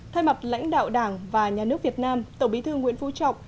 thay mặt lãnh đạo đảng và nhà nước việt nam tổng bí thư nguyễn phú trọng